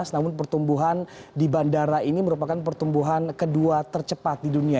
namun pertumbuhan di bandara ini merupakan pertumbuhan kedua tercepat di dunia